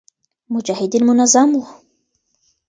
مجاهدین منظم و